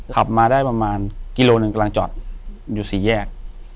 ขับมาได้ประมาณกิโลหนึ่งกำลังจอดอยู่สี่แยก